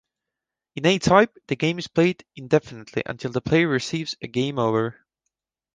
In A-Type, the game is played indefinitely until the player receives a game over.